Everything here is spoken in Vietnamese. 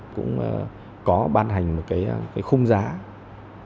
cũng có ban hành một cái khung gian